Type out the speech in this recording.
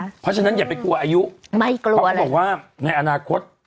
เพราะฉะนั้นอย่าไปกลัวอายุเพราะก็บอกว่าในอนาคต